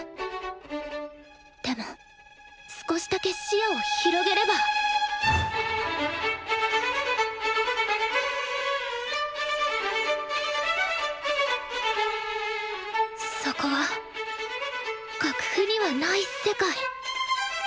でも少しだけ視野を広げればそこは楽譜にはない世界。